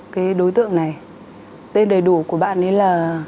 cái đối tượng này tên đầy đủ của bạn ấy là